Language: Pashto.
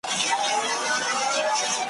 په دې لویه وداني کي توتکۍ وه ,